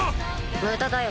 無駄だよ